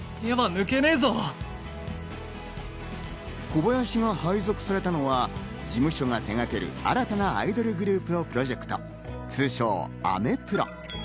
小林が配属されたのは、事務所が手がける新たなアイドルグループのプロジェクト、通称アメプロ。